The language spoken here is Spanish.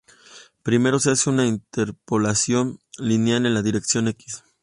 Primero se hace una interpolación lineal en la dirección "x".